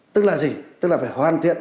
tức là gì tức là phải hoàn thiện